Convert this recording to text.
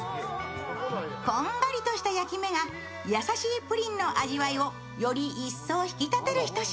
こんがりとした焼き目が、優しいプリンの味わいをより一層引き立てる一品。